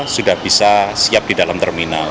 sudah bisa siap di dalam terminal